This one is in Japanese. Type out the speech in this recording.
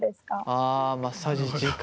あマッサージ時間。